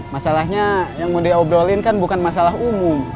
masalahnya yang mau diobrolin kan bukan masalah umum